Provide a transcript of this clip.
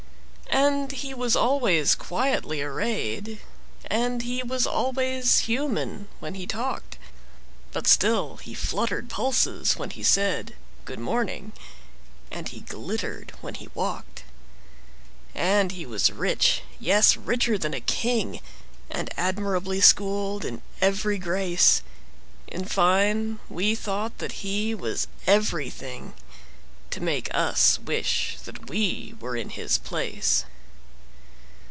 And he was always quietly arrayed, And he was always human when he talked; But still he fluttered pulses when he said,"Good morning," and he glittered when he walked. And he was rich,—yes, richer than a king,—And admirably schooled in every grace:In fine, we thought that he was everythingTo make us wish that we were in his place.